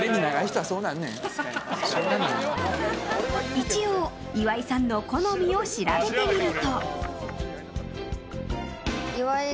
一応、岩井さんの好みを調べてみると。